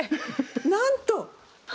なんと！